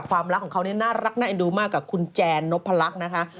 ความรักของเขาเนี่ยน่ารักน่าเอ็นดูมากกับคุณแจนนพลักษณ์นะคะ